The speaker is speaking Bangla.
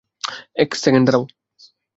এক সেকেন্ড দাঁড়াও।